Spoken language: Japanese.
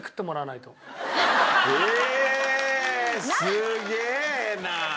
すげえな！